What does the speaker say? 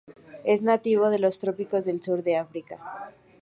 Es nativo de los trópicos del sur de África.